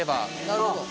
なるほど。